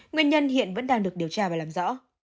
nguyên nhân hiện vẫn đang được điều tra và làm rõ